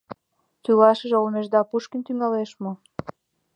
Тӱлашыже олмешда Пушкин тӱҥалеш мо?